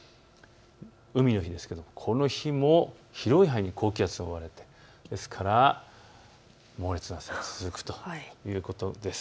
海の日ですがこの日も広い範囲が高気圧で覆われてですから猛烈な暑さが続くということです。